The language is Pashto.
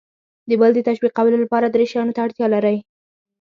د بل د تشویقولو لپاره درې شیانو ته اړتیا لر ئ :